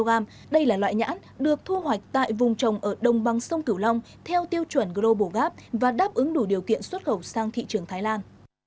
nhãn việt nam sẽ được tiêu thụ trên hệ thống hoặc tại vùng trồng ở đồng băng sông cửu long theo tiêu chuẩn global gap và đáp ứng đủ điều kiện xuất khẩu sang thị trường thái lan